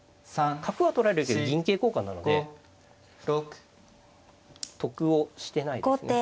角は取られるけど銀桂交換なので得をしてないですね。